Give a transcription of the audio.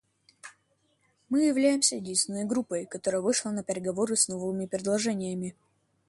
Мы являемся единственной группой, которая вышла на переговоры с новыми предложениями.